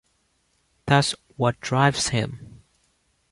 That's what drives him.